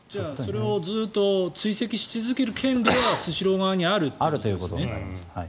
それをずっと追跡し続ける権利はスシロー側にあるということですね。